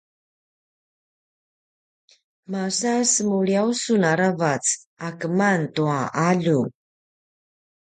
masa semuliyaw sun aravac a keman tua alju?